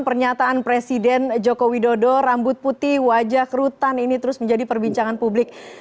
pernyataan presiden joko widodo rambut putih wajah kerutan ini terus menjadi perbincangan publik